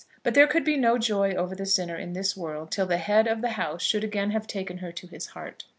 But there could be no joy over the sinner in this world till the head of the house should again have taken her to his heart.